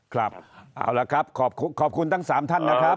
ครับเอาละครับขอบคุณทั้ง๓ท่านนะครับ